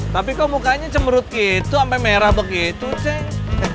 tapi kok mukanya cemerut gitu sampai merah begitu ceng